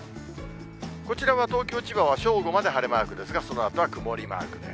こちらは東京、千葉は正午まで晴れマークですが、そのあとは曇りマークです。